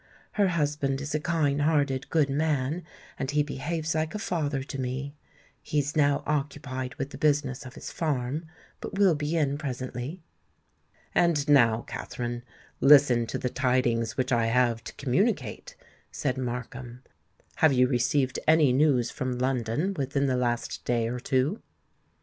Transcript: Her husband is a kind hearted, good man, and he behaves like a father to me. He is now occupied with the business of his farm, but will be in presently." "And now, Katherine, listen to the tidings which I have to communicate," said Markham. "Have you received any news from London within the last day or two?"